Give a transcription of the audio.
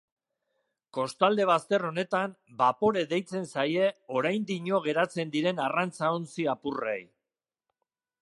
Kostalde bazter honetan bapore deitzen zaie oraindino geratzen diren arrantza ontzi apurrei.